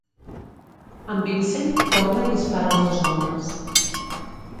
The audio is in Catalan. En Vincent torna i dispara als dos homes.